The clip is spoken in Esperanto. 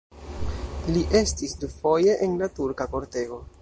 Li estis dufoje en la turka kortego.